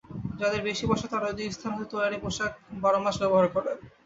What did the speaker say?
যাদের বেশী পয়সা, তারা ঐ দুই স্থান হতে তৈয়ারী পোষাক বারমাস ব্যবহার করে।